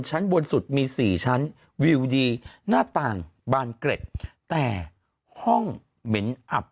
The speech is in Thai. ชั้นบนสุดมี๔ชั้นวิวดีหน้าต่างบานเกร็ดแต่ห้องเหม็นอับ